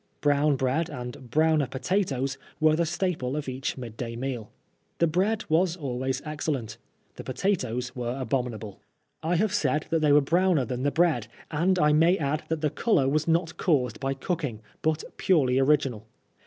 Brown bread and browner potatoes were the staple of each mid day meal. The bread was always excellent. The potatoes were abominable. 130 PRISONEB FOB BLASPHEMY. I have said that they were browner than the bread, and I may add that the color was not caused by cooking, but purely original.